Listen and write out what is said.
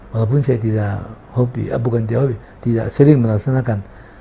walaupun saya tidak sering merasakan